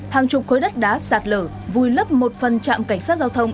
hàng chục khối đất đá sạt lở vùi lấp một phần trạm cảnh sát giao thông